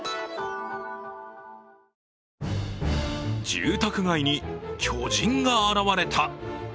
住宅街に、巨人が現れた。